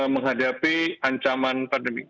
menghadapi ancaman pandemi